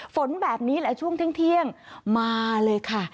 ฝนแบบนี้แหละช่วงเที่ยงมาเลยค่ะ